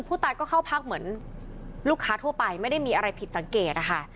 ผู้ตายก็เข้าพักเหมือนลูกค้าทั่วไปไม่ได้มีอะไรผิดสังเกตนะคะ